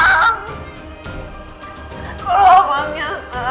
discovering kamu itu orang terlobefore